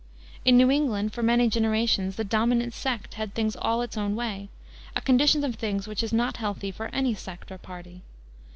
In New England, for many generations, the dominant sect had things all its own way, a condition of things which is not healthy for any sect or party.